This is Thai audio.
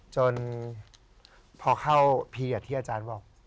จนพอเข้าพีชที่อาจารย์บอก